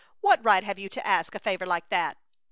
"What right have you to ask a favor like that?"